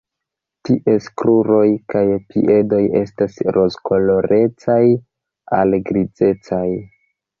Ties kruroj kaj piedoj estas rozkolorecaj al grizecaj.